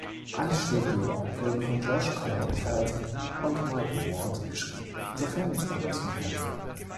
Alle Stücke wurden von Josh Clayton-Felt und Michael Ward geschrieben, sofern nicht anders vermerkt.